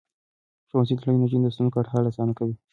ښوونځی تللې نجونې د ستونزو ګډ حل اسانه کوي.